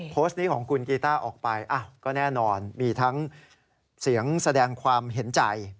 โพสต์นี้ของคุณกีต้าออกไปก็แน่นอนมีทั้งเสียงแสดงความเห็นใจ